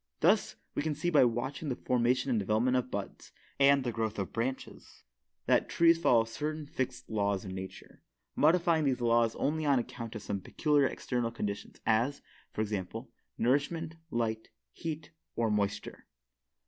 Thus, we can see by watching the formation and development of buds, and the growth of branches, that trees follow certain fixed laws of nature, modifying these laws only on account of some peculiar external conditions as, for example, nourishment, light, heat or moisture.